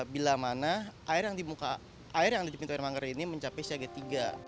bila mana air yang ada di pintu air manggarai ini mencapai siaga tiga